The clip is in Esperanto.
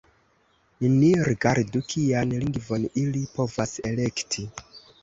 Ni rigardu, kian lingvon ili povas elekti.